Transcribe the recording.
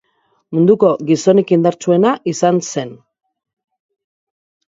Munduko gizonik indartsuena izan zen.